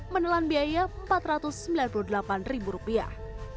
menelan biaya empat ratus sembilan puluh delapan ribu rupiah